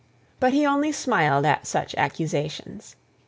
But he only smiled at such accusations.